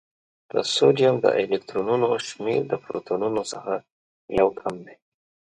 د سوډیم د الکترونونو شمېر د پروتونونو څخه یو کم دی.